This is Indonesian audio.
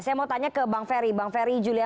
saya mau tanya ke bang ferry